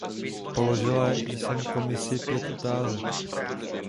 Položila jsem Komisi pět otázek.